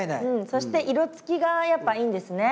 そして色つきがやっぱいいんですね。